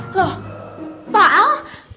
loh pak al